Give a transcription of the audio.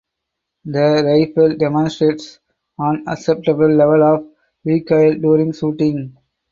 The rifle demonstrates an acceptable level of recoil during shooting.